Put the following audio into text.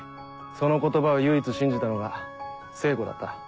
その言葉を唯一信じたのが聖子だった。